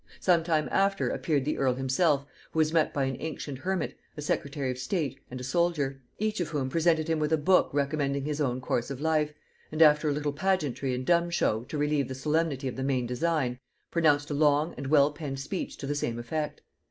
Some time after appeared the earl himself, who was met by an ancient hermit, a secretary of state, and a soldier; each of whom presented him with a book recommending his own course of life, and, after a little pageantry and dumb show to relieve the solemnity of the main design, pronounced a long and well penned speech to the same effect.